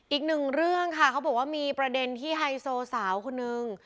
อีกหนึ่งเรื่องค่ะเขาบอกว่ามีประเด็นที่ไฮโซสาวคนนึง